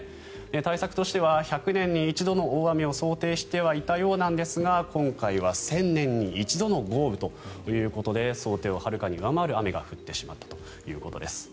対策としては１００年に一度の大雨を想定してはいたようですが今回は１０００年に一度の豪雨ということで想定をはるかに上回る雨が降ってしまったということです。